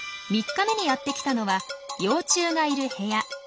３日目にやってきたのは幼虫がいる部屋。